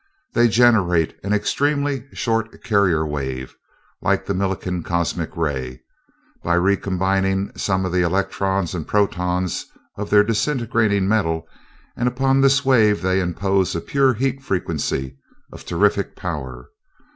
They generate an extremely short carrier wave, like the Millikan cosmic ray, by recombining some of the electrons and protons of their disintegrating metal, and upon this wave they impose a pure heat frequency of terrific power.